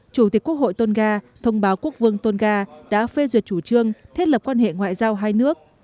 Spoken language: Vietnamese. chủ tịch quốc hội tôn nga thông báo quốc vương tôn nga đã phê duyệt chủ trương thiết lập quan hệ ngoại giao hai nước